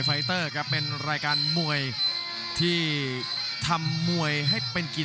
วันนี้ดังนั้นก็จะเป็นรายการมวยไทยสามยกที่มีความสนุกความสนุกความเดือดนะครับ